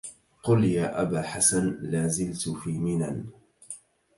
قل يا أبا حسن لا زلت في منن